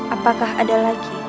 apakah ada lagi